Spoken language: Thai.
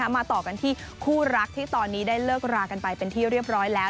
มาต่อกันที่คู่รักที่ตอนนี้ได้เลิกรากันไปเป็นที่เรียบร้อยแล้ว